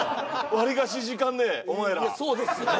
わりかし時間ねえお前らそうですよね